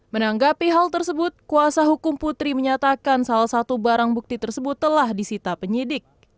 menanggapi hal tersebut kuasa hukum putri menyatakan salah satu barang bukti tersebut telah disita penyidik